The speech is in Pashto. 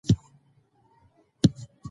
بدرنګي بداخلاق هرڅه منل اسان کار دی؛